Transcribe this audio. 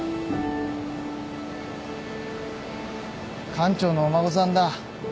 館長のお孫さんだ。